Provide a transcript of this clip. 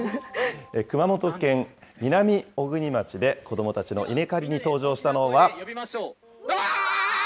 熊本県南小国町で、子どもたちの稲刈りに登場したのは。